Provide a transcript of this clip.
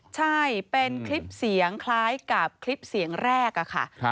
ใช่เป็นคลิปเสียงคล้ายกับคลิปเสียงแรกค่ะ